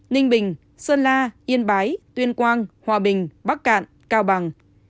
ninh bình sơn la yên bái tuyên quang hòa bình bắc cạn cao bằng